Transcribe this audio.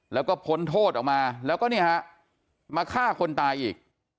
แล้วก็พ้นโทษออกมาแล้วก็เนี่ยฮะมาฆ่าคนตายอีก